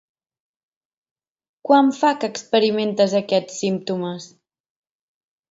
Quant fa que experimentes aquests símptomes?